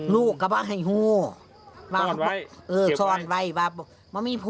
ลูกก็บอกให้ต้อนไว้เก็บไว้